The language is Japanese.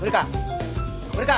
これか？